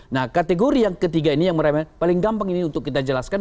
nah kategori yang ketiga ini yang paling gampang ini untuk kita jelaskan